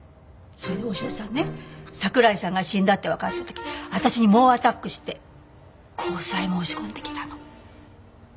それで大志田さんね桜井さんが死んだってわかった時私に猛アタックして交際申し込んできたの。